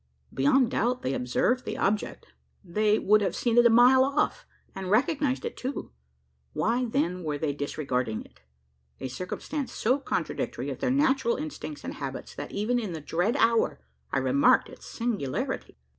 Beyond doubt, they observed the object they would have seen it a mile off, and recognised it too why, then, were they disregarding it a circumstance so contradictory of their natural instincts and habits, that, even in that dread hour, I remarked its singularity?